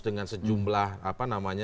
dengan sejumlah apa namanya